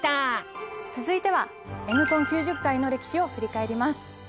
続いてはＮコン９０回の歴史を振り返ります。